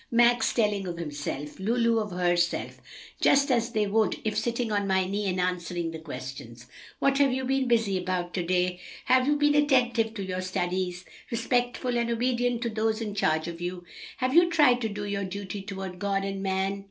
Max telling of himself, Lulu of herself, just as they would if sitting on my knee and answering the questions, 'What have you been busy about to day? Have you been attentive to your studies, respectful and obedient to those in charge of you? Have you tried to do your duty toward God and man?'